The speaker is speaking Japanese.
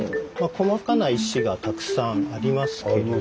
細かな石がたくさんありますけれども。